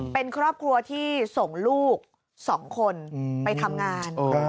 เป็นครอบครัวที่ส่งลูก๒คนไปทำงาน